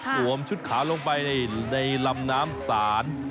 วมชุดขาวลงไปในลำน้ำศาล